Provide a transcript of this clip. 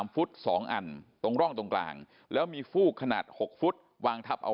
ฟุต๒อันตรงร่องตรงกลางแล้วมีฟูกขนาด๖ฟุตวางทับเอา